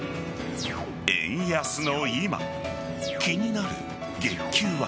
円安の今気になる月給は。